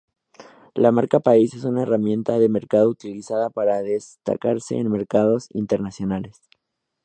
La marca país es una herramienta de mercadeo utilizada para destacarse en mercados internacionales.